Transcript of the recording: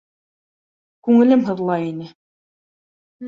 Күңелем һыҙлай ине.